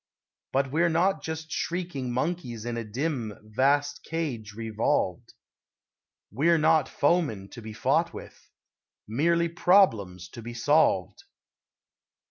But we're not just shrieking monkeys In a dim, vast cage revolved; We're not foemen to be fought with, Merely problems to be solved.